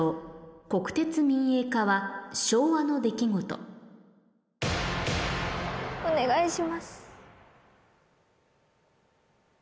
国鉄民営化は昭和の出来事お願いします。